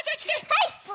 はい！